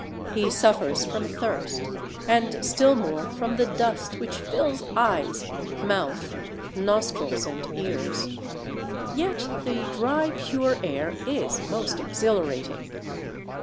He suffers from thirst, and still more from the dust which fills eyes, mouth, nostrils, and ears. Yet the dry pure air is most exhilarating.